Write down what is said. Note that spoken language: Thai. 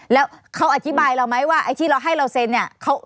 แล้วเขาอธิบายเราไหมว่าไอ้ที่เราให้เราเซ็นเนี่ย